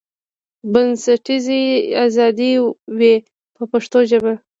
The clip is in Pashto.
بنسټیزه ازادي وي په پښتو ژبه.